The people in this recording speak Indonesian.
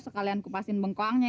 sekalian kupasin bengkoangnya ya